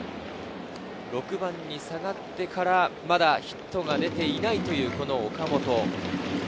６番に下がってからまだヒットが出ていない、岡本。